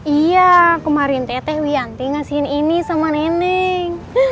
iya kemarin teteh wianti ngasih ini sama neneng